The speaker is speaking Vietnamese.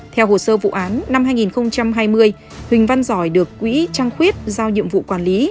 theo hồ sơ vụ án năm hai nghìn hai mươi huỳnh văn giỏi được quỹ trăng khuyết giao nhiệm vụ quản lý